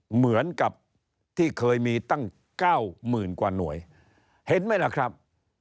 เหมือนกับที่เคยมีตั้งเก้าหมื่นกว่าหน่วยเห็นไหมล่ะครับ